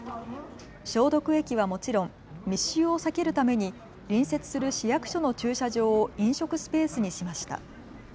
消毒液はもちろん、密集を避けるために隣接する市役所の駐車場を飲食スペースにしました。